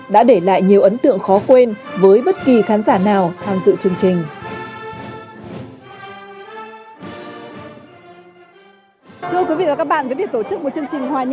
đã để lại nhiều ấn tượng khó quên với bất kỳ khán giả nào tham dự chương trình